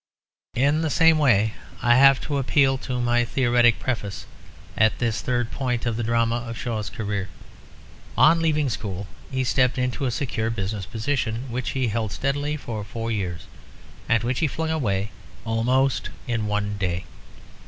In the same way I have to appeal to my theoretic preface at this third point of the drama of Shaw's career. On leaving school he stepped into a secure business position which he held steadily for four years and which he flung away almost in one day.